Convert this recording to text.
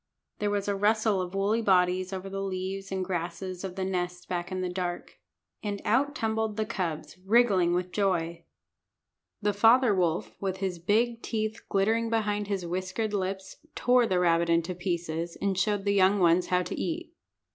There was a rustle of woolly bodies over the leaves and grasses of the nest back in the dark. And out tumbled the cubs, wriggling with joy. The father wolf, with his big teeth glittering behind his whiskered lips, tore the rabbit into pieces, and showed the young ones how to eat.